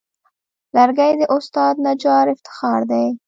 لرګی د استاد نجار افتخار دی.